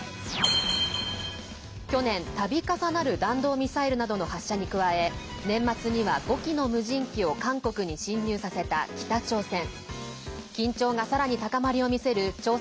去年、たび重なる弾道ミサイルなどの発射に加え年末には５機の無人機を韓国に侵入させた北朝鮮。